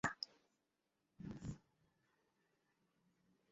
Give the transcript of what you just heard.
Attorney general chief জাস্টিসের সঙ্গে বৈঠক করেছেন বলে প্রচার করা হয়েছে।